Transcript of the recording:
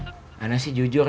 saya sih jujur